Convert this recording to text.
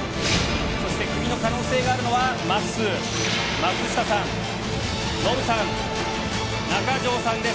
そして、クビの可能性があるのは、まっすー、松下さん、ノブさん、中条さんです。